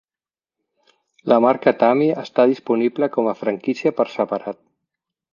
La marca Tammy està disponible com a franquícia per separat.